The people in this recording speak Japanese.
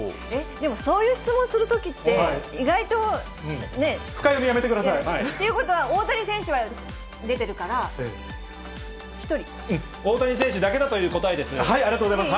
でもそういう質問するときって、深読み、やめてください。ということは、大谷選手は出大谷選手だけだという答えでありがとうございます。